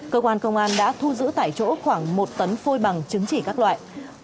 cơ quan công an đã thu giữ tại chỗ khoảng một tấn phôi bằng chứng chỉ các loại